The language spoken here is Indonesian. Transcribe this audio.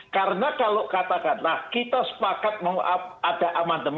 karena kalau kita seperti sudah ada inisiatif dari bross medan